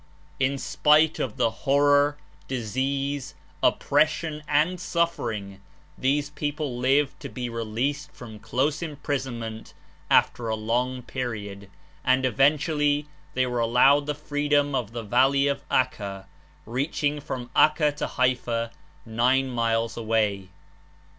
Tn spite of the horror, disease, oppression and suffering, these people lived to be re leased from close imprisonment after a long period, 56 and eventually they were allowed the freedom of the Valley of Acca, reaching from Acca to Haifa, nine miles away.